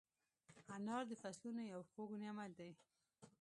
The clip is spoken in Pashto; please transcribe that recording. انار د فصلونو یو خوږ نعمت دی.